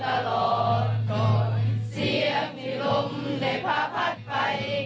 เสียงที่ล้มได้พาพัดไปกลับกลายเป็นเสียงของความเฮียบมั่น